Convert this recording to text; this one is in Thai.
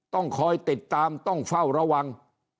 ต้องคอยติดตามต้องเฝ้าระวัง